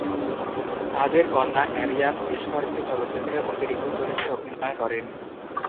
তাদের কন্যা অ্যারিয়ান বেশ কয়েকটি চলচ্চিত্রে অতিরিক্ত চরিত্রে অভিনয় করেন।